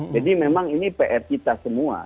jadi memang ini pr kita semua